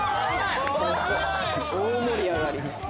大盛り上がり。